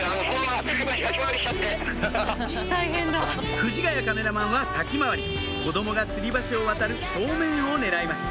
藤ヶ谷カメラマンは先回り子供がつり橋を渡る正面を狙います